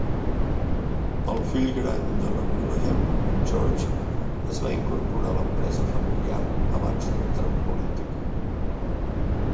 El fill gran de la Wilhelm, en George, es va incorporar a l'empresa familiar abans d'entrar en política.